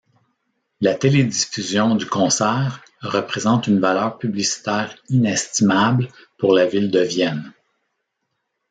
La télédiffusion du concert représente une valeur publicitaire inestimable pour la ville de Vienne.